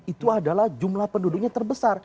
itu adalah jumlah penduduknya terbesar